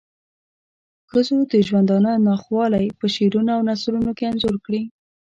ښځو د ژوندانه ناخوالی په شعرونو او نثرونو کې انځور کړې.